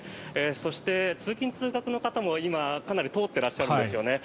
そして、通勤・通学の方も今、かなり通ってらっしゃるんですよね。